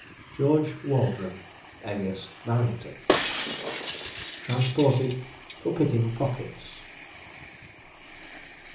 GEORGE WALDRON, alias BARRINGTON. TRANSPORTED FOR PICKING POCKETS.